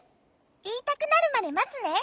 いいたくなるまでまつね。